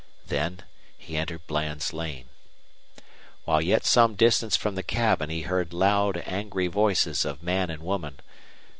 Then he entered Bland's lane. While yet some distance from the cabin he heard loud, angry voices of man and woman.